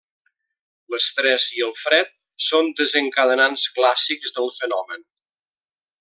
L'estrès i el fred són desencadenants clàssics del fenomen.